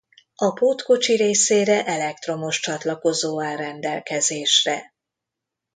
A pótkocsi részére elektromos csatlakozó áll rendelkezésre.